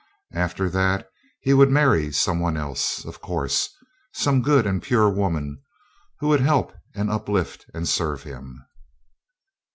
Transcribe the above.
After that he would marry some one else, of course; some good and pure woman who would help and uplift and serve him.